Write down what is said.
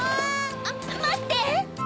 あっまって！